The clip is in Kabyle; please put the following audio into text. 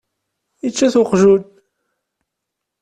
Ičča-t uqjun.